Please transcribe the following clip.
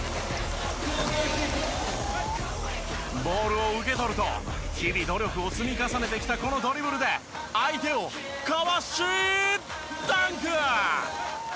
ボールを受け取ると日々努力を積み重ねてきたこのドリブルで相手をかわしダンク！